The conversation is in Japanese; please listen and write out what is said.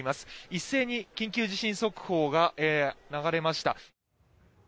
一斉に緊急地震速報が流れました。